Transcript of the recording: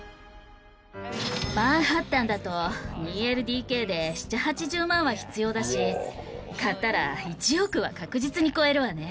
マンハッタンだと２ＬＤＫで７０８０万は必要だし買ったら１億は確実に超えるわね。